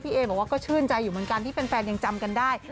เอบอกว่าก็ชื่นใจอยู่เหมือนกันที่แฟนยังจำกันได้